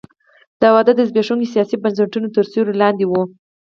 دا وده د زبېښونکو سیاسي بنسټونو تر سیوري لاندې وه.